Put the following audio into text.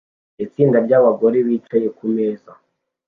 Itsinda ryabagore bicaye kumeza